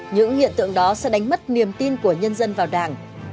những hiện tượng đó sẽ đánh mất niềm tin của nhân dân vào đảng